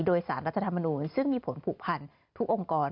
โดยสารรัฐธรรมนูลซึ่งมีผลผูกพันทุกองค์กร